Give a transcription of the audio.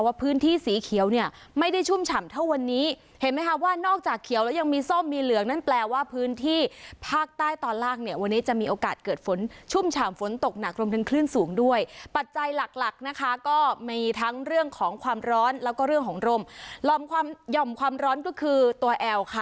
พื้นที่สีเขียวเนี่ยไม่ได้ชุ่มฉ่ำเท่าวันนี้เห็นไหมคะว่านอกจากเขียวแล้วยังมีส้มมีเหลืองนั่นแปลว่าพื้นที่ภาคใต้ตอนล่างเนี่ยวันนี้จะมีโอกาสเกิดฝนชุ่มฉ่ำฝนตกหนักรวมถึงคลื่นสูงด้วยปัจจัยหลักหลักนะคะก็มีทั้งเรื่องของความร้อนแล้วก็เรื่องของลมความหย่อมความร้อนก็คือตัวแอลค่ะ